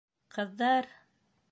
Ҡыҙҙар!